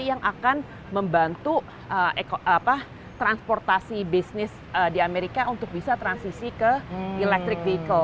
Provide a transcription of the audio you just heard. yang akan membantu transportasi bisnis di amerika untuk bisa transisi ke electric vehicle